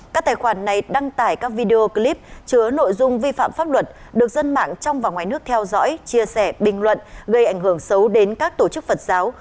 các tài khoản này đăng tải các video clip chứa nội dung vi phạm pháp luật được dân mạng trong và ngoài nước theo dõi chia sẻ bình luận gây ảnh hưởng xấu đến các tổ chức phật giáo